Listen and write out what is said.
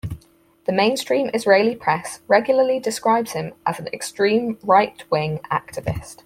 The mainstream Israeli press regularly describes him as an "extreme right-wing activist".